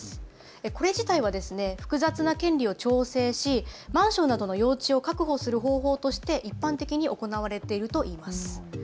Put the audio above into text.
これ自体は複雑な権利を調整しマンションなどの用地を確保する方法として一般的に行われているといいます。